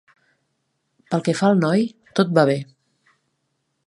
Pel que fa al noi, tot va bé.